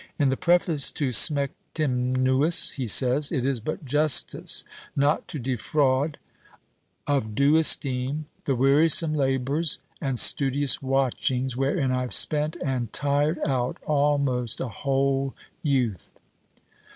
In the preface to Smectymnuus, he says, "It is but justice, not to defraud of due esteem the wearisome labours and studious watchings, wherein I have spent and tired out almost a whole youth."